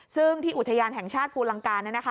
ซึ่งที่อุทยานแห่งชาติภูลังกา